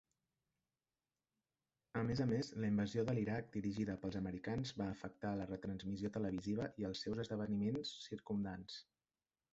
A més a més, la invasió de l'Iraq dirigida pels americans va afectar la retransmissió televisiva i els seus esdeveniments circumdants.